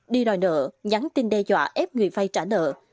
đi đòi nợ nhắn tin đe dọa ép người vay trả nợ